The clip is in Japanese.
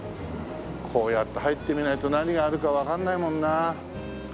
こうやって入ってみないと何があるかわかんないもんな。